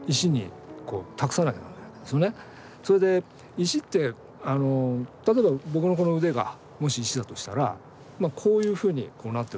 石って例えば僕のこの腕がもし石だとしたらこういうふうになってると。